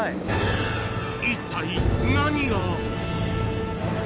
一体、何が？